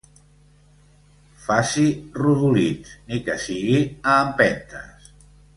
Faci rodolins, ni que sigui a empentes.